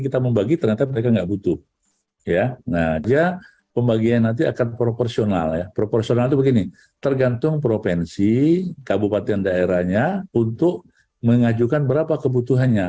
tergantung provinsi kabupaten daerahnya untuk mengajukan berapa kebutuhannya